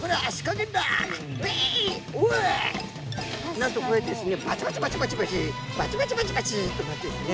なんとこうやってですねバチバチバチバチバチバチバチバチバチっとなってですね